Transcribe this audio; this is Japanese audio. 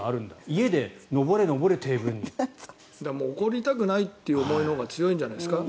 家で上れ上れ、テーブルに怒りたくないという思いのほうが強いんじゃないですか。